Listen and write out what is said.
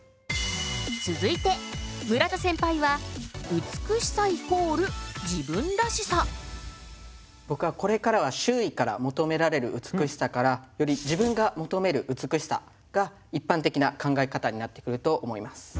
続いて村田センパイは「美しさ＝自分らしさ」。ぼくはこれからは周囲から求められる美しさからより自分が求める美しさが一般的な考え方になってくると思います。